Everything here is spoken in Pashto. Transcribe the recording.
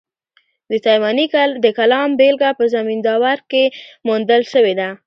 د تایمني د کلام بېلګه په زمینداور کښي موندل سوې ده.